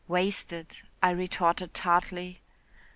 'Wasted,' I retorted tartly.